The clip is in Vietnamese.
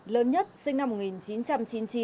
lớn nhất sinh năm một nghìn chín trăm chín mươi chín